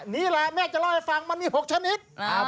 นี่แหละแม่จะเล่าให้ฟังมันมี๖ชนิด